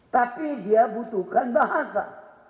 tapi dia butuhkan bahasa